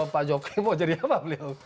pak jokowi mau jadi apa beliau